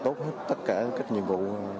tốt hết tất cả các nhiệm vụ